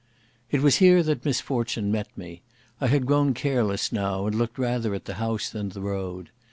It was here that misfortune met me. I had grown careless now, and looked rather at the house than the road.